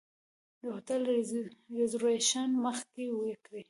د هوټل ریزرویشن مخکې وکړئ.